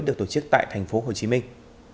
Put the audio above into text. được tổ chức tại thành phố hồ chí minh